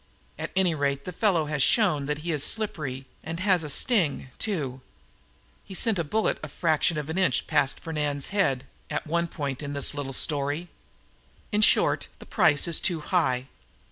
At any rate the fellow has shown that he is slippery and has a sting, too. He sent a bullet a fraction of an inch past Fernand's head, at one point in the little story. "In short, the price is too high.